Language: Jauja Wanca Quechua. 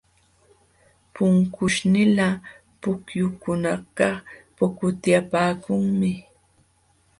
Pukaśhnila pukyukunakaq pukutyapaakunmi.